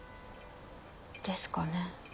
ですかね。